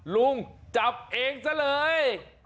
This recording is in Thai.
ลุงจับเองซะเลย